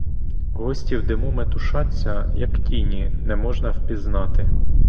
Гості в диму метушаться, як тіні, не можна впізнати.